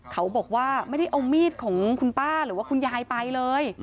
เขาบอกว่าไม่ได้เอามีดของคุณป้าหรือว่าคุณยายไปเลย